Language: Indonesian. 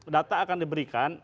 data akan diberikan